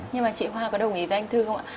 nhưng mà chị hoa có đồng ý với anh thư không ạ